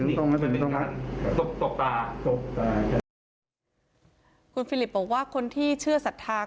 เป็นสอกต่าสอกต่าค่ะคุณอาจารย์บอกว่าคนที่เชื่อศรัทธา